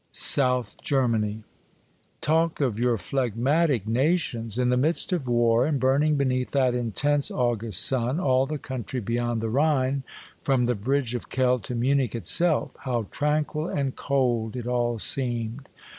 SOUTH GERMANY. Talk of your phlegmatic nations ! In the midst of war and burning beneath that intense 3o8 Monday Tales. August sun, all the country beyond the Rhine, from the bridge of Kehl to Munich itself, — how tranquil and cold it all seemed.